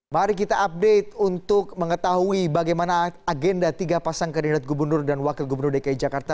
mari kita update untuk mengetahui bagaimana agenda tiga pasang kandidat gubernur dan wakil gubernur dki jakarta